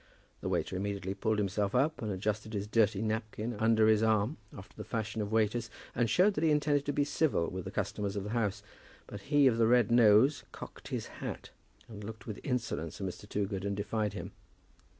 The waiter immediately pulled himself up, and adjusted his dirty napkin under his arm, after the fashion of waiters, and showed that he intended to be civil to the customers of the house. But he of the red nose cocked his hat, and looked with insolence at Mr. Toogood, and defied him.